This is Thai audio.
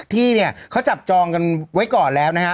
ที่เนี่ยเขาจับจองกันไว้ก่อนแล้วนะฮะ